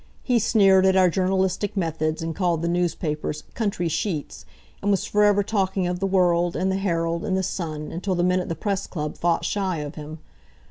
He sneered at our journalistic methods, and called the newspapers "country sheets," and was forever talking of the World, and the Herald, and the Sun, until the men at the Press Club fought shy of him.